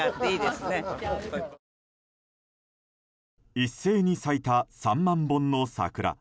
一斉に咲いた３万本の桜。